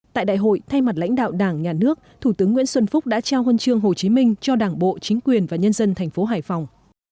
tại đại hội thay mặt lãnh đạo đảng nhà nước thủ tướng nguyễn xuân phúc đã trao huân chương hồ chí minh cho đảng bộ chính quyền và nhân dân thành phố hải phòng